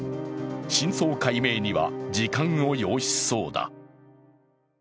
真相解明には時間を要しそうだ。